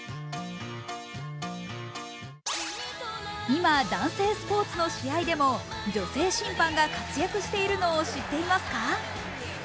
今、男性スポーツの試合でも女性審判が活躍しているのを知っていますか？